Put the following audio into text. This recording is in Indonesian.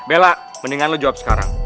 bella mendingan lo jawab sekarang